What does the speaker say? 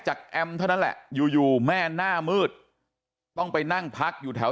แอมเท่านั้นแหละอยู่อยู่แม่หน้ามืดต้องไปนั่งพักอยู่แถว